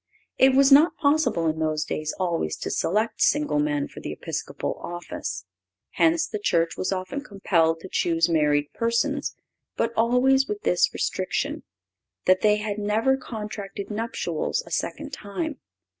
It was not possible in those days always to select single men for the Episcopal office. Hence the Church was often compelled to choose married persons, but always with this restriction, that they had never contracted nuptials a second time.